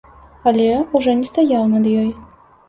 Але ўжо не стаяў над ёю.